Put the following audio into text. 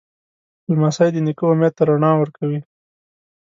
لمسی د نیکه امید ته رڼا ورکوي.